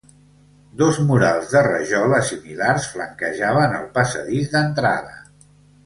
Dos murals de rajola similars flanquejaven el passadís d'entrada.